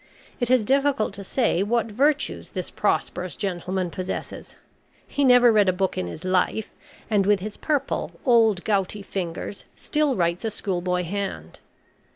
It is difficult to say what virtues this prosperous gentleman possesses. He never read a book in his life, and, with his purple, old gouty fingers, still writes a schoolboy hand.